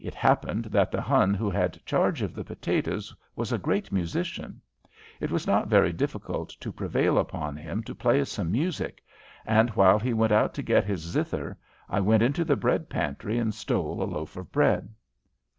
It happened that the Hun who had charge of the potatoes was a great musician. It was not very difficult to prevail upon him to play us some music, and while he went out to get his zither I went into the bread pantry and stole a loaf of bread.